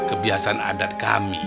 kebiasaan adat kami